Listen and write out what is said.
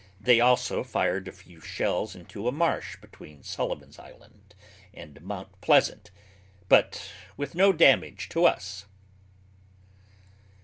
They also fired a few shells into a marsh between Sullivan's Island and Mount Pleasant, but with no damage to us.